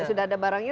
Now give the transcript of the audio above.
sudah ada bukunya